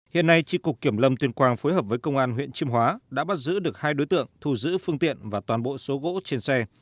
hiện nay tri cục kiểm lâm tuyên quang phối hợp với công an huyện chiêm hóa đã bắt giữ được hai đối tượng thu giữ phương tiện và toàn bộ số gỗ trên xe